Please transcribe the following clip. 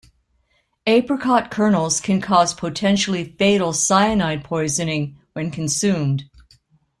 Apricot kernels can cause potentially fatal cyanide poisoning when consumed.